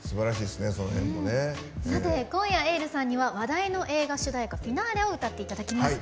さて今夜ｅｉｌｌさんには話題の映画主題歌「フィナーレ。」を歌っていただきます。